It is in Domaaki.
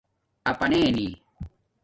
اپاننئ